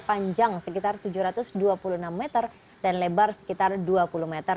panjang sekitar tujuh ratus dua puluh enam meter dan lebar sekitar dua puluh meter